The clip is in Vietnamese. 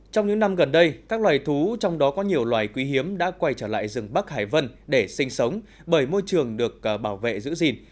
trong những năm gần đây các loài thú trong đó có nhiều loài quý hiếm đã quay trở lại rừng bắc hải vân để sinh sống bởi môi trường được bảo vệ giữ gìn